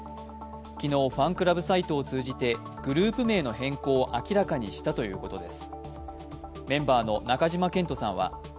昨日、ファンクラブサイトを通じてグループ名の変更を明らかにしたということです。